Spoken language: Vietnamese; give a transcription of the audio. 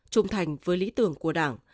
trung thành với lý tưởng của đảng